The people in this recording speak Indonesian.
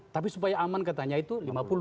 tapi supaya aman katanya itu lima puluh